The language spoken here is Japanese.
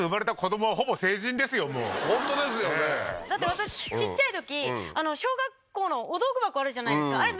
私ちっちゃいとき小学校のお道具箱あるじゃないですかあれ